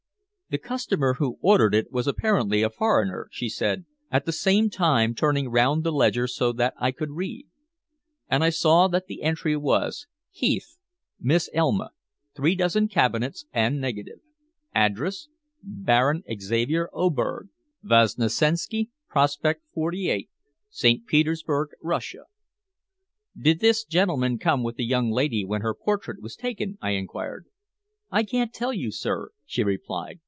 "The customer who ordered it was apparently a foreigner," she said, at the same time turning round the ledger so that I could read. And I saw that the entry was: "Heath Miss Elma 3 dozen cabinets and negative. Address: Baron Xavier Oberg, Vosnesenski Prospect 48, St. Petersburg, Russia." "Did this gentleman come with the young lady when her portrait was taken?" I inquired. "I can't tell, sir," she replied.